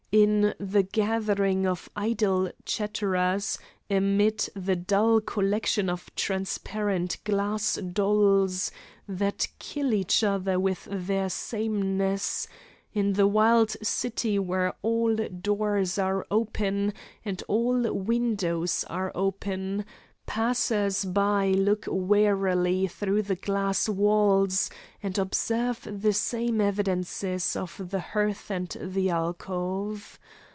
In the gathering of idle chatterers, amid the dull collection of transparent glass dolls, that kill each other with their sameness; in the wild city where all doors are open, and all windows are open passers by look wearily through the glass walls and observe the same evidences of the hearth and the alcove.